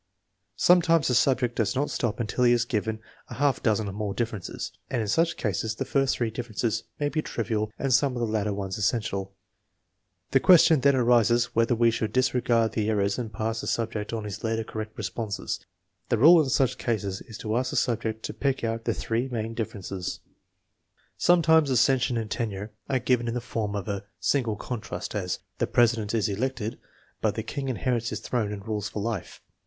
Sometimes the subject does not stop until he has given a half dozen or more differences, and in such cases the first three differences may be trivial and some of the later ones essential. The question then arises whether we should disregard the errors and pass the subject on his later cor rect responses. The rule ha such cases is to ask the subject to pick out the " three main differences." 314 THE MEASUEEMENT OF INTELLIGENCE Sometimes accession and tenure are given in the form of a single contrast, as: "The president is elected, but the king inherits his throne and rules for life."